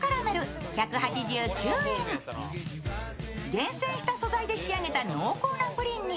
厳選した素材で仕上げた濃厚なプリンに、